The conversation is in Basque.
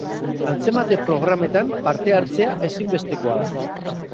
Antzemate-programetan parte hartzea ezinbestekoa da.